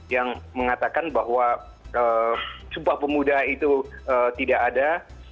yang mengatakan bahwa sumpah pemuda itu tidak ada